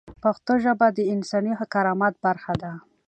پښتو ژبه د انساني کرامت برخه ده.